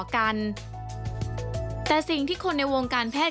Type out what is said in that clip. กระแสรักสุขภาพและการก้าวขัด